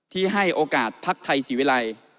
ที่ให้โอกาสพักทัยศิวิรัย